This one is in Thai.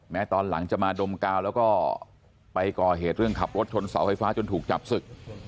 ตอนหลังจะมาดมกาวแล้วก็ไปก่อเหตุเรื่องขับรถชนเสาไฟฟ้าจนถูกจับศึก